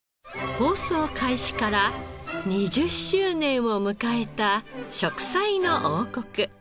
放送開始から２０周年を迎えた『食彩の王国』。